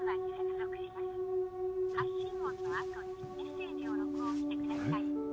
発信音の後にメッセージを録音してください。